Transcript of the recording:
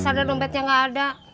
kesadar dompetnya ga ada